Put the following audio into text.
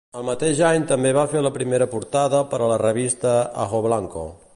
El mateix any també va fer la primera portada per a la revista Ajoblanco.